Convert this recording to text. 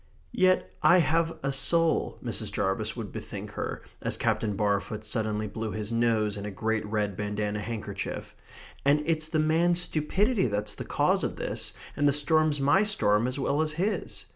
"Yet I have a soul," Mrs. Jarvis would bethink her, as Captain Barfoot suddenly blew his nose in a great red bandanna handkerchief, "and it's the man's stupidity that's the cause of this, and the storm's my storm as well as his"...